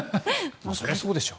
そりゃそうでしょ。